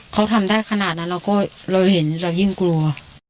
เขาทำได้ขนาดนั้นเราก็เราเห็นเรายิ่งกลัว